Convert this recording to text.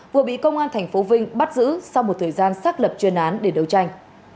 vừa bị công an tp vinh bắt giữ sau một thời gian xác lập chuyên án để đấu tranh